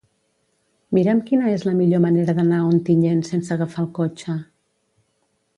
Mira'm quina és la millor manera d'anar a Ontinyent sense agafar el cotxe.